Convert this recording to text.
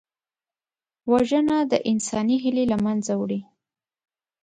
وژنه د انساني هیلې له منځه وړي